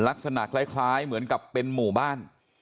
ลักษณะคล้ายเหมือนกับเป็นหมู่บ้าน